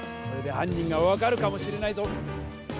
これで犯人が分かるかもしれないぞ。